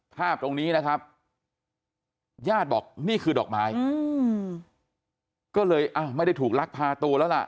ภาพตรงนี้นะครับญาติบอกนี่คือดอกไม้ก็เลยอ้าวไม่ได้ถูกลักพาตัวแล้วล่ะ